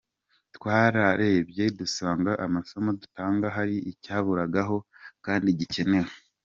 Twararebye dusanga amasomo dutanga hari icyaburagaho kandi gikenewe.